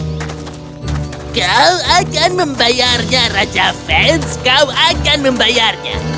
kau akan membayarnya raja fenn